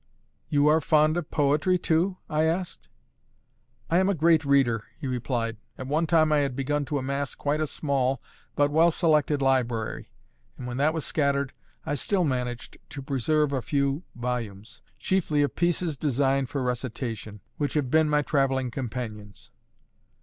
"You are fond of poetry, too?" I asked. "I am a great reader," he replied. "At one time I had begun to amass quite a small but well selected library; and when that was scattered, I still managed to preserve a few volumes chiefly of pieces designed for recitation which have been my travelling companions."